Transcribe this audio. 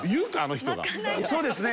「そうですね